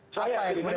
apa yang menurut anda